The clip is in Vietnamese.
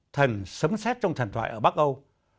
thần sấm xét trong thần thoại ở bắc âu